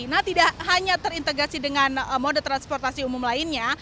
nah tidak hanya terintegrasi dengan moda transportasi umum lainnya